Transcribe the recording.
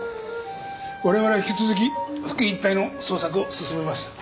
我々は引き続き付近一帯の捜索を進めます。